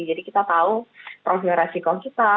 jadi kita tahu profil resiko kita